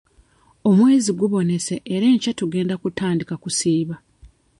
Omwezi gubonese era enkya tugenda kutandika okusiiba.